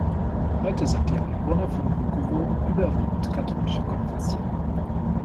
Heute sind die Einwohner von Bukowo überwiegend katholischer Konfession.